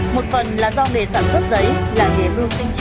một phần là do nghề sản xuất giấy là nghề mưu sinh